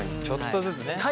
ちょっとずつね。